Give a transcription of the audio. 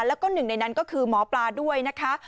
แล้วก็หนึ่งในนั้นก็คือหมอปลาด้วยนะคะ